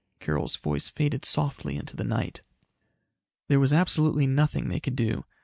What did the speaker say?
Carol's voice faded softly into the night. There was absolutely nothing they could do.